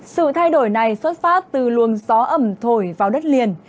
sự thay đổi này xuất phát từ luồng gió ẩm thổi vào đất liền